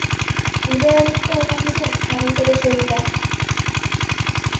উদয়াদিত্য কহিলেন, আমি তবে চলিলাম।